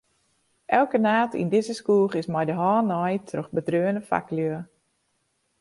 Elke naad yn dizze skoech is mei de hân naaid troch bedreaune faklju.